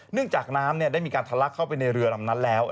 จากน้ำได้มีการทะลักเข้าไปในเรือลำนั้นแล้ว